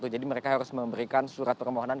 jadi mereka harus memberikan surat permohonan